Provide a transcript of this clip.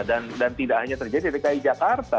dan tidak hanya terjadi di dki jakarta